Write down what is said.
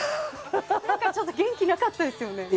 ちょっと元気なかったですよね。